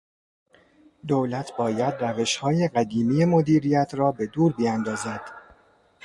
دولت باید روشهای قدیمی مدیریت را به دور بیاندازد.